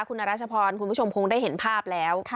คุณรัชพรคุณผู้ชมคงได้เห็นภาพแล้ว